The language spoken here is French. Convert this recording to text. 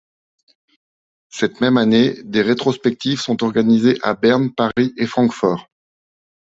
Cette même année, des rétrospectives sont organisées à Berne, Paris et Francfort.